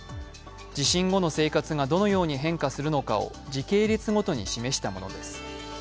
地震後の生活がどのように変化するのかを時系列ごとに示したものです。